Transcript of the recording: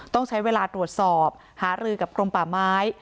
ต้องใช้เวลาตรวจสอบหารือกับกรมป่าไม้